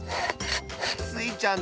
スイちゃん